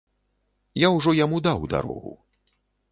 Я ўжо яму даў дарогу.